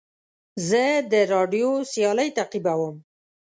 زه د راډیو سیالۍ تعقیبوم.